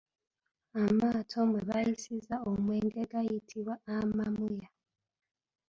Amaato mwe bayiisizza omwenge gayitibwa Amamuya.